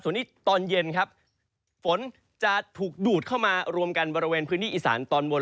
ส่วนนี้ตอนเย็นครับฝนจะถูกดูดเข้ามารวมกันบริเวณพื้นที่อีสานตอนบน